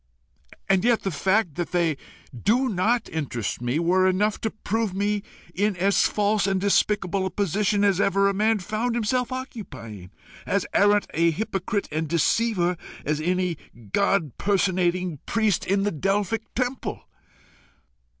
And yet the fact that they do not interest me, were enough to prove me in as false and despicable a position as ever man found himself occupying as arrant a hypocrite and deceiver as any god personating priest in the Delphic temple.